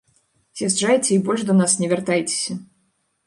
З'язджайце і больш да нас не вяртайцеся.